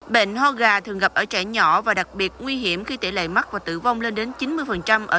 bệnh ho gà thường gặp ở trẻ nhỏ và đặc biệt nguy hiểm khi tỷ lệ mắc và tử vong lên đến chín mươi ở